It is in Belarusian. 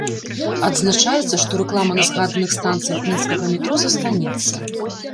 Адзначаецца, што рэклама на згаданых станцыях мінскага метро застанецца.